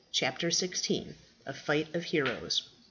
CHAPTER XVI. A FIGHT OF HEROES.